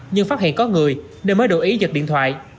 nhưng phát hiện có người nên mới đồng ý giật điện thoại